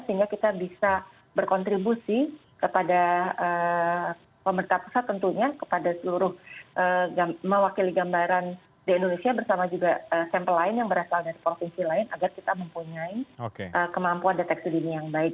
sehingga kita bisa berkontribusi kepada pemerintah pusat tentunya kepada seluruh mewakili gambaran di indonesia bersama juga sampel lain yang berasal dari provinsi lain agar kita mempunyai kemampuan deteksi dini yang baik